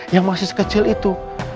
yang masih sekecil itu